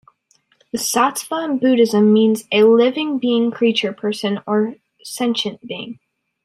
The Sattva in Buddhism means "a living being, creature, person or sentient being".